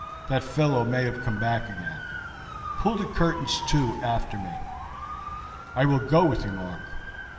That fellow may have come back again. Pull the curtains to after me." "I will go with you, Mark."